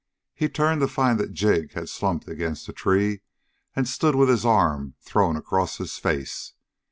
He turned to find that Jig had slumped against the tree and stood with his arm thrown across his face.